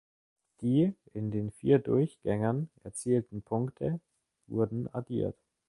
Die in den vier Durchgängen erzielten Punkte wurden addiert.